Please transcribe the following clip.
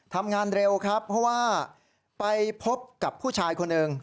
ทำงานเร็วครับเพราะว่าไปพบกับผู้ชายคนหนึ่ง